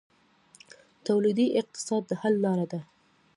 تولیدي اقتصاد د حل لاره ده